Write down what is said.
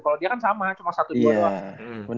kalau dia kan sama cuma satu dua doang